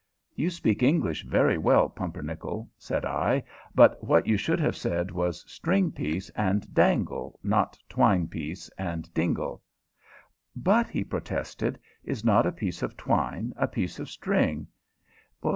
"You speak English very well, Pumpernickel," said I; "but what you should have said was 'string piece' and 'dangle,' not 'twine piece' and 'dingle.'" "But," he protested, "is not a piece of twine a piece of string?"